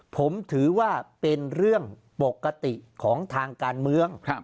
ผมถือว่าเป็นเรื่องปกติของทางการเมือง